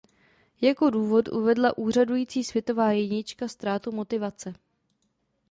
Jako důvod uvedla úřadující světová jednička ztrátu motivace.